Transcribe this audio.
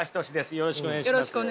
よろしくお願いします。